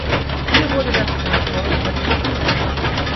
Hier wurde das Pfarrhaus restauriert.